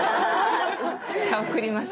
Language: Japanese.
じゃあ送ります。